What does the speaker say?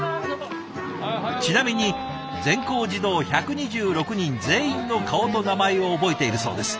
ちなみに全校児童１２６人全員の顔と名前を覚えているそうです。